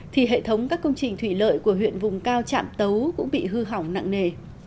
thì hệ thống các công trình thủy lợi của huyện vùng cao trạm tấu cũng bị hư hỏng nặng nề